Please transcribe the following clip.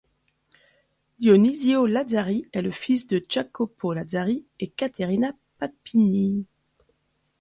Dionisio Lazzari est le fils de Jacopo Lazzari et Caterina Papini.